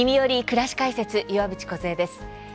くらし解説」岩渕梢です。